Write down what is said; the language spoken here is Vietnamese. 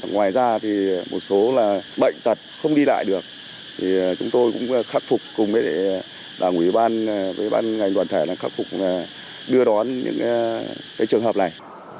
ngoài ra một số bệnh tật không đi lại được chúng tôi cũng khắc phục cùng đảng ủy ban với ban ngành đoàn thể khắc phục đưa đón những trường hợp này